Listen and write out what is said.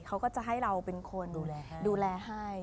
เขาก็จะให้เราเป็นคนดูแลให้